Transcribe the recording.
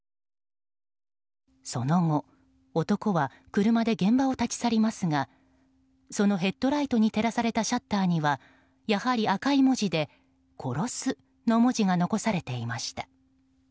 その後、男は車で現場を立ち去りますがそのヘッドライトに照らされたシャッターにはやはり赤い文字で「殺す」の文字が残されていました。